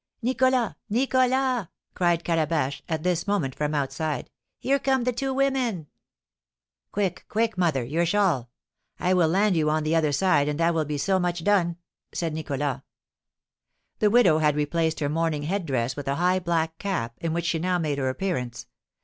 '" "Nicholas! Nicholas!" cried Calabash, at this moment from outside, "here come the two women!" "Quick, quick, mother! Your shawl! I will land you on the other side, and that will be so much done," said Nicholas. The widow had replaced her mourning head dress with a high black cap, in which she now made her appearance.